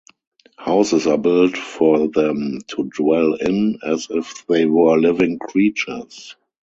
Houses are built for them to dwell in, as if they were living creatures.